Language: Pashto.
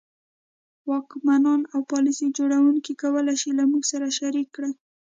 واکمنان او پالیسي جوړوونکي کولای شي له موږ سره شریک کړي.